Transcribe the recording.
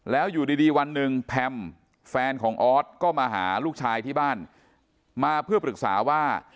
แล้วอยู่ดีวันหนึ่งแพมแฟนของออสก็มาหาลูกชายที่บ้านมาเพื่อปรึกษาว่า